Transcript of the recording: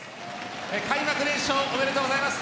開幕連勝おめでとうございます。